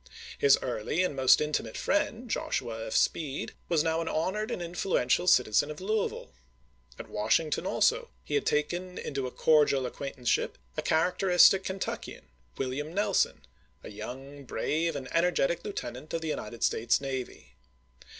His early and most intimate friend, Joshua F. Speed, was now an honored and influential citi zen of Louisville. At Washington also he had taken into a cordial acquaintanceship a character istic Kentuckian, William Nelson, a young, brave, and energetic lieutenant of the United States navy.